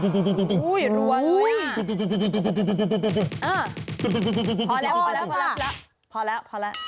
กูจะแตกแล้ว